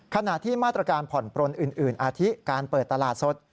ขณะที่มาตรการผ่อนปลนอื่นอาทิตการเปิดตลาดสด